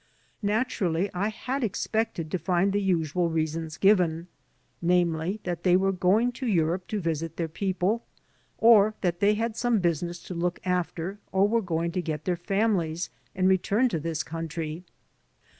Naturally I had expected to find the usual reasons given, namely, that they were going to Europe to visit their people, or that they had some business to look after or were going to get their families and return to this country.